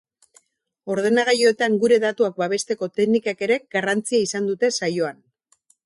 Ordenagailuetan gure datuak babesteko teknikek ere garrantzia izan dute saioan.